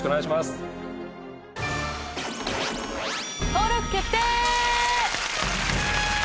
登録決定！